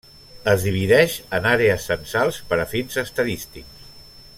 Es divideix en àrees censals per a fins estadístics.